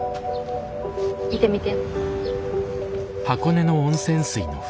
見てみて。